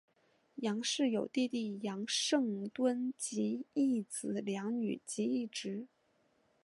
杨氏有弟弟杨圣敦及一子两女及一侄。